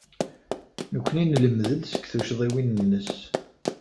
Nekkni nelmed-d seg tuccḍiwin-nnes.